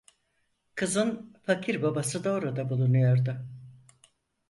Kızın fakir babası da orada bulunuyordu.